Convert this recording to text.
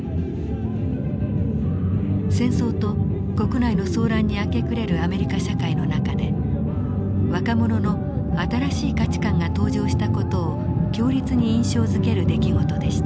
戦争と国内の騒乱に明け暮れるアメリカ社会の中で若者の新しい価値観が登場した事を強烈に印象づける出来事でした。